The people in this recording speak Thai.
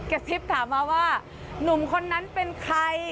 กระซิบถามมาว่าหนุ่มคนนั้นเป็นใคร